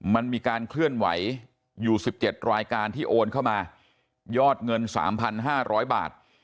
มันมีการเคลื่อนไหวอยู่สิบเจ็ดรายการที่โอนเข้ามายอดเงินสามพันห้าร้อยบาท